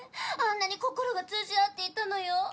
あんなに心が通じ合っていたのよ？